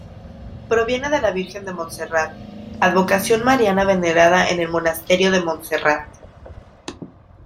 Proviene de la Virgen de Montserrat, advocación mariana venerada en el Monasterio de Montserrat.